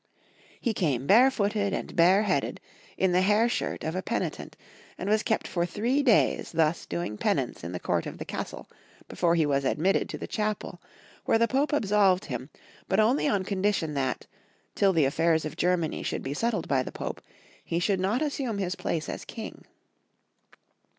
He came barefooted and bareheaded, in the hair shirt of a penitent, and was kept for three days thus doing penance in the court of the castle before he was admitted to the chapel, where the Pope ab 112 Young Folks'^ HUtory of Q ermany. solved him, but only on condition that, till the affairs of Germany should be settled by the Pope, ' he should not assume his place as King.